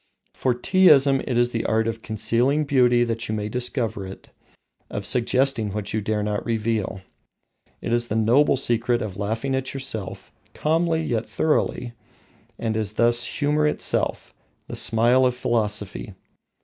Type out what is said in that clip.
For Teaism is the art of concealing beauty that you may discover it, of suggesting what you dare not reveal. It is the noble secret of laughing at yourself, calmly yet thoroughly, and is thus humour itself, the smile of philosophy.